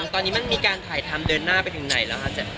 คือหนังมีการถ่ายทำเดินหน้าไปถึงใหนแล้วหาอย่างมั้ย